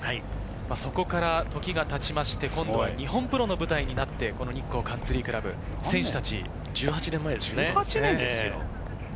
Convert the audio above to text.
そこから時が経って、今度は日本プロの舞台になって日光カンツリー倶楽部、選手たち１８年前ですね。